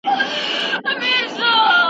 د جرګي په فضا کي به د ورورولۍ روحیه غښتلې وه.